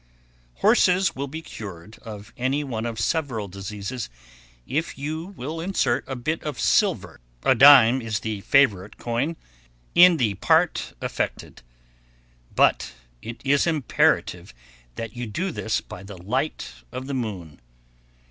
1113. Horses will be cured of any one of several diseases if you will insert a bit of silver a dime is the favorite coin in the part affected; but it is imperative that you do this by the "light of the moon."